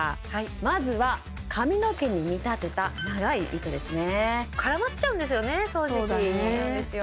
まずは髪の毛にみたてた長い糸ですね絡まっちゃうんですよね掃除機そうなんですよ